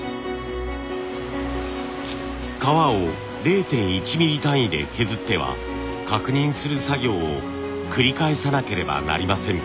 皮を０．１ミリ単位で削っては確認する作業を繰り返さなければなりません。